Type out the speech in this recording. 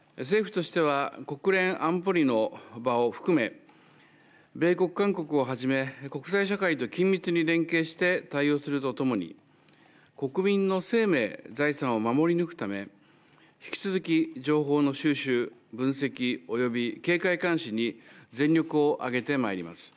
政府としては国連安保理の場を含め、米国、韓国をはじめ、国際社会と緊密に連携して対応するとともに、国民の生命・財産を守り抜くため、引き続き情報の収集・分析及び警戒・監視に全力を挙げてまいります。